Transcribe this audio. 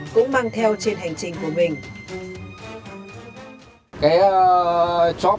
cũng mang theo trên hành trình của mình